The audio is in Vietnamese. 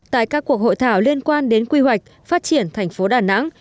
tại các cuộc hội thảo liên quan đến quy hoạch phát triển thành phố đà nẵng